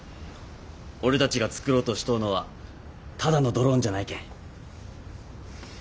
俺たちが作ろうとしとうのはただのドローンじゃないけん。